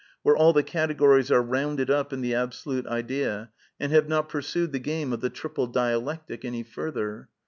where all the categories are rounded up in the Absolute Idea, and have not pursued the game of the Triple Dialectic any further.